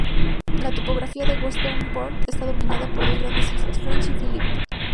La topografía de Western Port está dominada por dos grandes islas: French y Phillip.